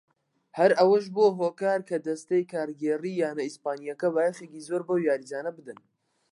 هەر ئەوەش بووە هۆکار کە دەستەی کارگێڕیی یانە ئیسپانییەکە بایەخێکی زۆر بەو یاریزانە بدەن.